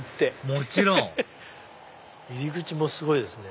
もちろん入り口もすごいですね